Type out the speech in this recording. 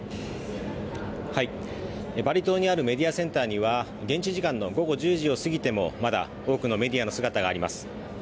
バリ島にあるメディアセンターには現地時間の午後１０時を過ぎてもまだ多くのメディアの姿があります。